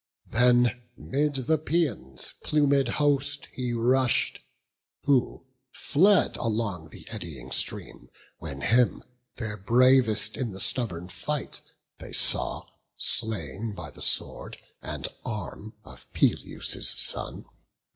Then 'mid the Paeons' plumed host he rush'd, Who fled along the eddying stream, when him, Their bravest in the stubborn fight, they saw Slain by the sword and arm of Peleus' son.